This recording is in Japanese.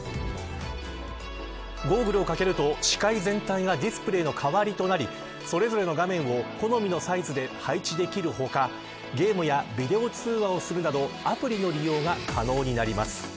ゴーグルを掛けると、視界全体がディスプレイの代わりとなりそれぞれの画面を好みのサイズで配置できる他ゲームやビデオ通話をするなどアプリの利用が可能になります。